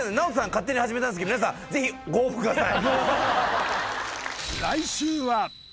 勝手に始めたんすけど皆さんぜひご応募ください